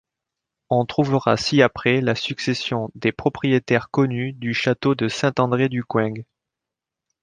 On trouvera ci-après la succession des propriétaires connus du château de Saint-André du Coing.